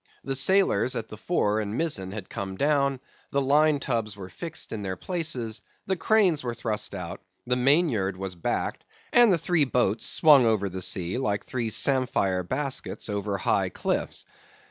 The sailors at the fore and mizzen had come down; the line tubs were fixed in their places; the cranes were thrust out; the mainyard was backed, and the three boats swung over the sea like three samphire baskets over high cliffs.